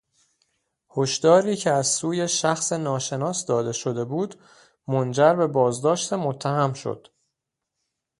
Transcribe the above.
هشداری که از سوی شخص ناشناس داده شده بود منجر به بازداشت متهم شد.